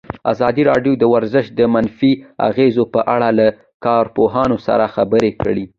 ازادي راډیو د ورزش د منفي اغېزو په اړه له کارپوهانو سره خبرې کړي.